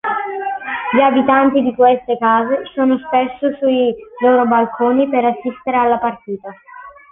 Gli abitanti di queste case sono spesso sui loro balconi per assistere alla partita.